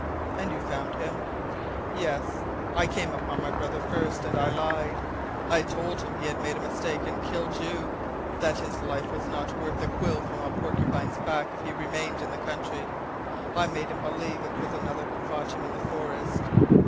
"And you found him?" "Yes. I came upon my brother first. And I lied. I told him he had made a mistake, and killed you, that his life was not worth the quill from a porcupine's back if he remained in the country. I made him believe it was another who fought him in the forest.